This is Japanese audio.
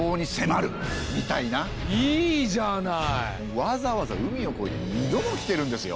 わざわざ海をこえて２度も来てるんですよ。